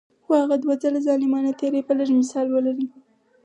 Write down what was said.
خو هغه دوه ځله ظالمانه تیری به لږ مثال ولري.